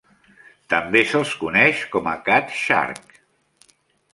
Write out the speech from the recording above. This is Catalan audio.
També se'ls coneix com a "catshark".